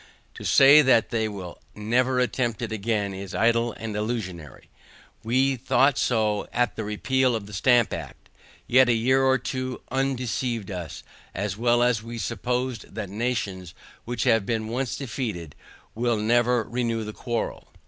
To say, they will never attempt it again is idle and visionary, we thought so at the repeal of the stamp act, yet a year or two undeceived us; as well may we suppose that nations, which have been once defeated, will never renew the quarrel.